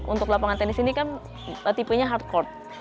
untuk lapangan tenis ini kan tipenya hardcourt